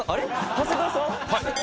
長谷川さん？